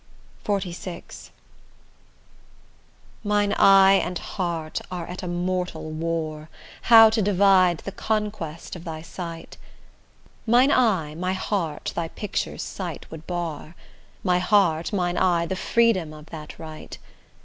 XLVI Mine eye and heart are at a mortal war, How to divide the conquest of thy sight; Mine eye my heart thy picture's sight would bar, My heart mine eye the freedom of that right.